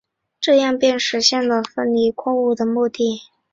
这样便实现了分离矿物的目的。